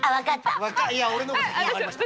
いや俺の方が先に分かりました。